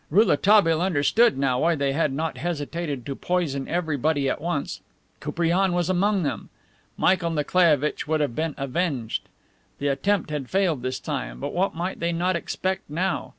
Rouletabille understood now why they had not hesitated to poison everybody at once: Koupriane was among them. Michael Nikolaievitch would have been avenged! The attempt had failed this time, but what might they not expect now!